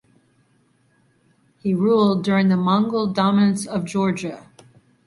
He ruled during the Mongol dominance of Georgia.